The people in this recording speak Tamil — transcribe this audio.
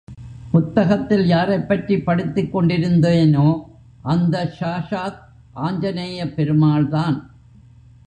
புத்தகத்தில் யாரைப் பற்றி படித்துக் கொண்டிருந்தேனோ அந்த சாஷாத் ஆஞ்சனேயப் பெருமாள்தான்.